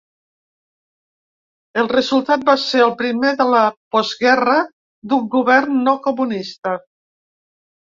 El resultat va ser el primer de la postguerra d'un govern no comunista.